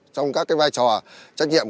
trong các vai trò trách nhiệm